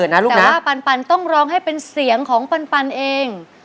แต่ว่าปันต้องร้องให้เป็นเสียงของปันเอง